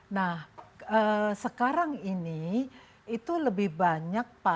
nah sekarang ini itu lebih banyak